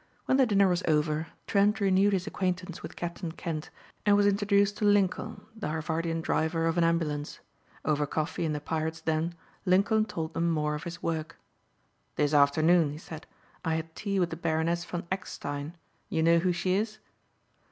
'" When the dinner was over Trent renewed his acquaintance with Captain Kent and was introduced to Lincoln, the Harvardian driver of an ambulance. Over coffee in the Pirates' Den Lincoln told them more of his work. "This afternoon," he said, "I had tea with the Baroness von Eckstein. You know who she is?"